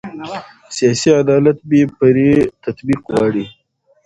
سیاسي عدالت بې پرې تطبیق غواړي